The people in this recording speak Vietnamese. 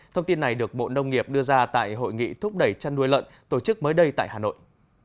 thông tin này được bộ nông nghiệp đưa ra tại hội nghị thúc đẩy chăn nuôi lợn tổ chức mới đây tại hà nội